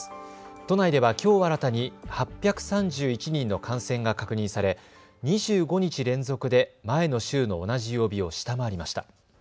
都内ではきょう新たに８３１人の感染が確認され２５日連続で前の週の同じ曜日を下回りました。